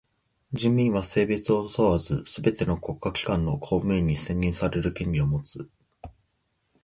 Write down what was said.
人民は性別を問わずすべての国家機関の公務員に選任される権利をもつ。